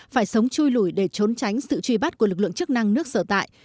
phải sống chui lùi để trốn tránh sự truy bắt của lực lượng chức năng nước sở tại